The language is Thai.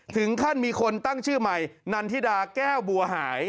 ถึงขั้นมีคนตั้งชื่อใหม่นันทิดาแก้วบัวหาย